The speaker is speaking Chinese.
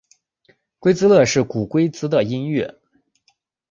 龟兹乐是古龟兹的音乐。